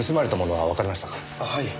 はい。